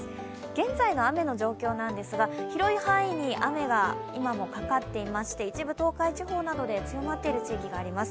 現在の雨の状況なんですが、広い範囲に雨が今もかかっていまして一部、東海地方などで強まっている地域があります。